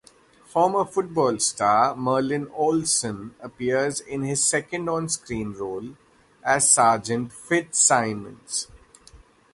Former football star Merlin Olsen appears in his second on-screen role as Sergeant Fitzsimmons.